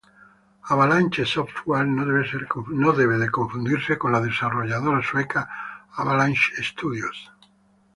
Avalanche Software no debe ser confundida con la desarrolladora sueca Avalanche Studios.